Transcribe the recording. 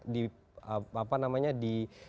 di apa namanya di